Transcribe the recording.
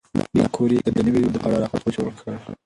ماري کوري د نوې ماده په اړه راپور جوړ کړ.